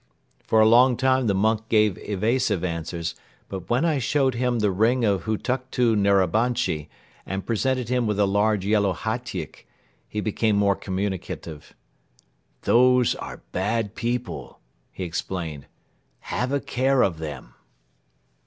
For a long time the monk gave evasive answers but when I showed him the ring of Hutuktu Narabanchi and presented him with a large yellow hatyk, he became more communicative. "Those are bad people," he explained. "Have a care of them."